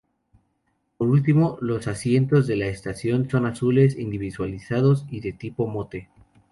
Por último, los asientos de la estación son azules, individualizados y de tipo "Motte".